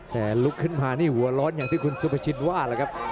แต่ลุกขึ้นมานี่หัวร้อนอย่างที่คุณสุภาชินว่าแหละครับ